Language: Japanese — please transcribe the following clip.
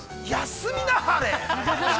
◆休みなはれ！